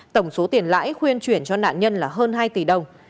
tổng số tiền lãi khuyên chuyển cho nạn nhân là hơn hai tỷ đồng